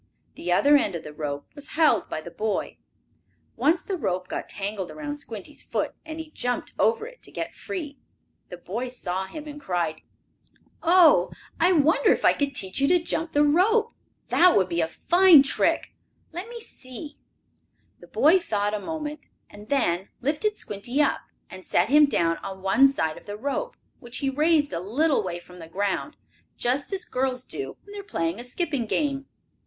The other end of the rope was held by the boy. Once the rope got tangled around Squinty's foot, and he jumped over it to get free. The boy saw him and cried: "Oh, I wonder if I could teach you to jump the rope? That would be a fine trick. Let me see." The boy thought a moment, and then lifted Squinty up, and set him down on one side of the rope, which he raised a little way from the ground, just as girls do when they are playing a skipping game.